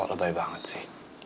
lo baik banget sih